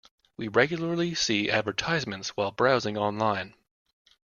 We regularly see advertisements while browsing online.